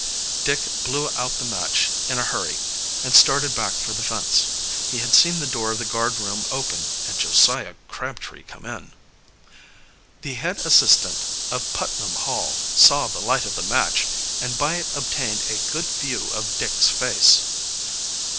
Dick blew out the match in a hurry and started back for the fence. He had seen the door of the guardroom open and Josiah Crabtree come in. The head assistant of Putnam Hall saw the light of the match and by it obtained a good view of Dick's face.